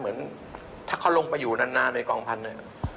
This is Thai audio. เหมือนถ้าเขาลงไปอยู่นานในกองพันธุ์